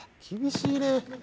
厳しいね。